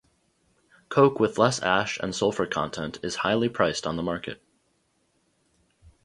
Coke with less ash and sulfur content is highly priced on the market.